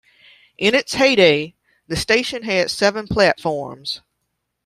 In its heyday, the station had seven platforms.